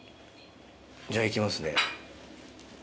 じゃあ行きますね。